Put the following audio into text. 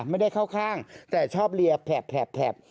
ไม่ได้เข้าข้างแต่ชอบเรียแถบ